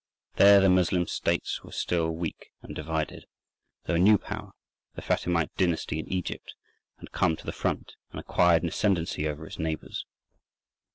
There the Moslem states were still weak and divided; though a new power, the Fatimite dynasty in Egypt, had come to the front, and acquired an ascendency over its neighbours.